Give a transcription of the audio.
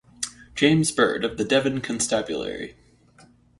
James Bird of the Devon constabulary.